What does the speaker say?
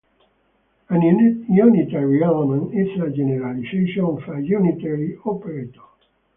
A unitary element is a generalization of a unitary operator.